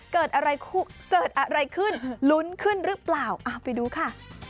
เกิดอะไรขึ้นลุ้นขึ้นหรือเปล่าไปดูค่ะ